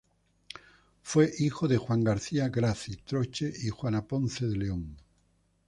Fue hijo de Juan García "Gracie" Troche y Juana Ponce de León.